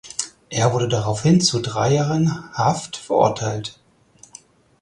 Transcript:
Er wurde daraufhin zu drei Jahren Haft verurteilt.